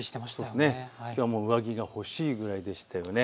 きょうも上着が欲しいくらいでしたね。